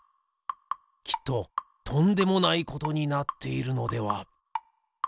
きっととんでもないことになっているのでは？